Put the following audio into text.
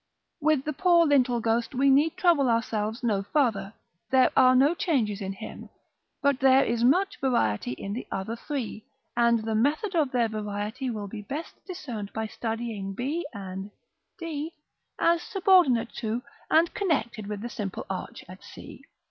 With the poor lintel ghost we need trouble ourselves no farther; there are no changes in him: but there is much variety in the other three, and the method of their variety will be best discerned by studying b and d, as subordinate to and connected with the simple arch at c.